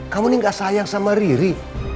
kamu ini gak sayang sama riri